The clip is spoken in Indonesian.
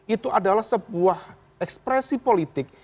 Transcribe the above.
itu adalah sebuah ekspresi politik